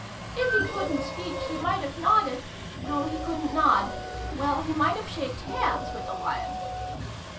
" If he couldn't speak, he might have nodded no, he couldn't nod. Well, he might have shaked hands with the Lion